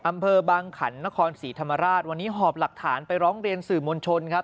อำเภอบางขันนครศรีธรรมราชวันนี้หอบหลักฐานไปร้องเรียนสื่อมวลชนครับ